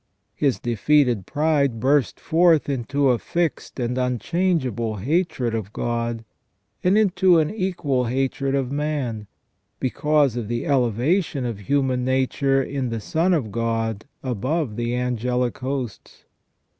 His defeated pride burst forth into a fixed and unchangeable hatred of God, and into an equal hatred of man, because of the elevation of human nature in the Son of God above the angelic hosts.